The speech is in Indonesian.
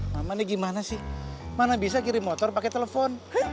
mama ini gimana sih mana bisa kirim motor pakai telepon